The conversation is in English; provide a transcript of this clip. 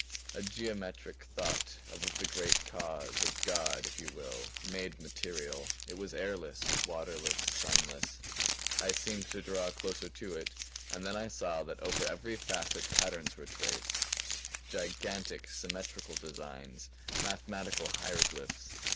A geometric thought of the Great Cause, of God, if you will, made material. It was airless, waterless, sunless. "I seemed to draw closer to it. And then I saw that over every facet patterns were traced; gigantic symmetrical designs; mathematical hieroglyphs.